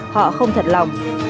họ không thật lòng